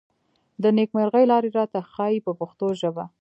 د نېکمرغۍ لارې راته ښيي په پښتو ژبه.